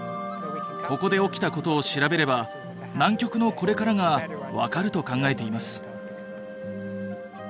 ここで起きたことを調べれば南極のこれからが分かると考えています。